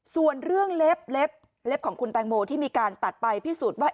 ส่วนเรื่องเล็บเล็บของคุณแตงโมที่มีการตัดไปพิสูจน์ว่า